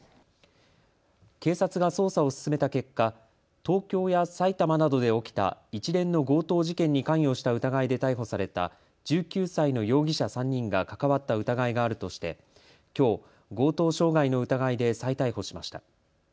警察が捜査を進めた結果、東京や埼玉などで起きた一連の強盗事件に関与した疑いで逮捕された１９歳の容疑者３人が関わった疑いがあるとしてきょう強盗傷害の疑いで再逮捕しました。